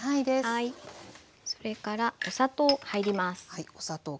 それからお砂糖入ります。